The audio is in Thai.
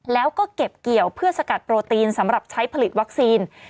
แล้วก็เก็บเกี่ยวเพื่อสกัดโปรตีนสำหรับใช้ผลิตวัคซีน